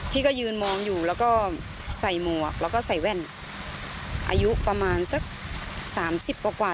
พี่ก็ยืนมองอยู่แล้วก็ใส่หมวกแล้วก็ใส่แว่นอายุประมาณสักสามสิบกว่า